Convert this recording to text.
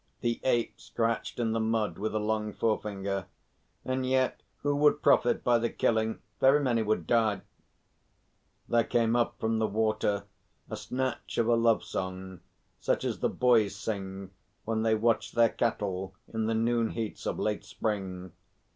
The Ape scratched in the mud with a long forefinger. "And yet, who would profit by the killing? Very many would die." There came up from the water a snatch of a love song such as the boys sing when they watch their cattle in the noon heats of late spring.